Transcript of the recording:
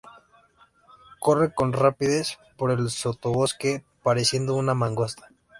Corre con rapidez por el sotobosque pareciendo una mangosta.